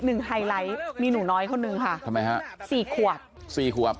ไฮไลท์มีหนูน้อยคนนึงค่ะทำไมฮะสี่ขวบสี่ขวบ